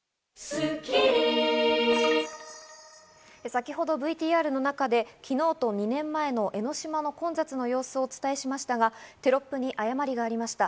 先ほどＶＴＲの中で昨日と２年前の江の島の混雑の様子をお伝えしましたが、テロップに誤りがありました。